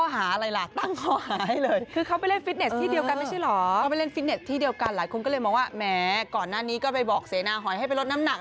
แหมก่อนหน้านี้ก็ไปบอกเสนาหอยให้ไปลดน้ำหนัก